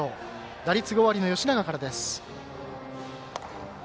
打率５割の吉永からです。